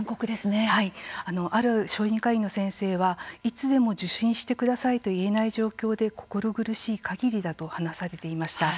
ある小児科医の先生はいつでも受診してくださいと言えない状況で心苦しいかぎりだと話されていました。